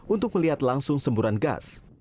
untuk melihat langsung semburan gas